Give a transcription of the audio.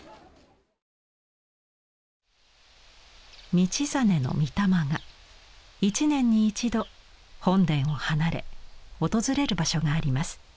道真の御霊が１年に１度本殿を離れ訪れる場所があります。